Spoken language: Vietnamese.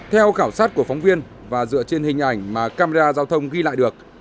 theo khảo sát của phóng viên và dựa trên hình ảnh mà camera giao thông ghi lại được